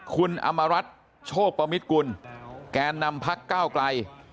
คุณอำมารัฐโชคปมิตกุลแกนนำพักก้าวไกล